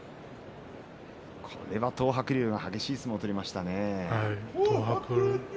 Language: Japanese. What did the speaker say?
これは東白龍の激しい相撲でしたね。